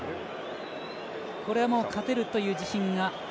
これも勝てるという自信が。